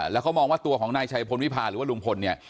แล้วก็มองว่าตัวของนายชายพระวิภาหรือว่าลุงพล